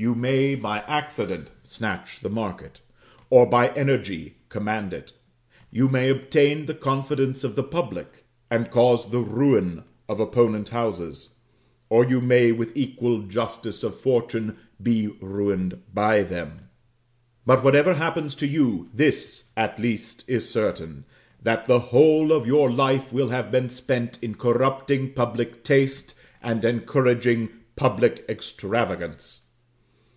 You may, by accident, snatch the market; or, by energy, command it; you may obtain the confidence of the public, and cause the ruin of opponent houses; or you may, with equal justice of fortune, be ruined by them. But whatever happens to you, this, at least, is certain, that the whole of your life will have been spent in corrupting public taste and encouraging public extravagance.